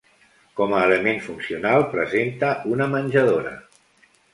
Com a element funcional presenta una menjadora.